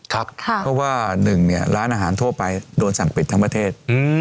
ครับค่ะเพราะว่าหนึ่งเนี้ยร้านอาหารทั่วไปโดนสั่งปิดทั้งประเทศ